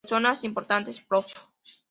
Personajes Importante: Prof.